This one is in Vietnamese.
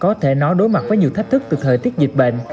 có thể nói đối mặt với nhiều thách thức từ thời tiết dịch bệnh